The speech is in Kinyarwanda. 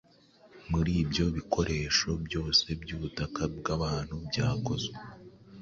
Muri ibyo bikoresho byose byubutaka bwabantu byakozwe